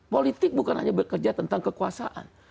politik bukan hanya bekerja tentang kekuasaan